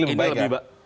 ini lebih baik ya